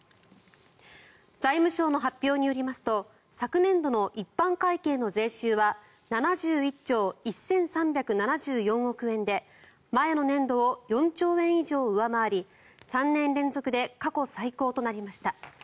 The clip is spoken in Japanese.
財務省の発表によりますと昨年度の一般会計の税収は７１兆１３７４億円で前の年度を４兆円以上上回り３年連続で過去最高となりました。